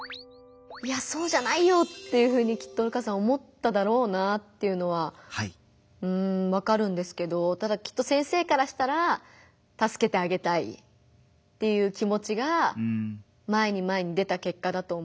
いやそうじゃないよっていうふうにきっと瑠花さん思っただろうなっていうのはわかるんですけどただきっと先生からしたらたすけてあげたいっていう気持ちが前に前に出た結果だと思いますし。